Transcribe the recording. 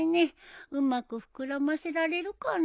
うまく膨らませられるかな。